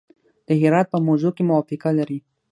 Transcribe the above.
د هرات په موضوع کې موافقه لري.